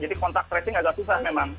jadi kontak tracing agak susah memang